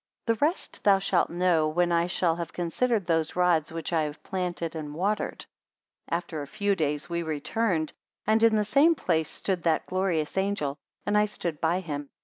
31 The rest thou shalt know, when I shall have considered those rods which I have planted and watered. 32 After a few days we returned, and in the same place stood that glorious angel, and I stood by him.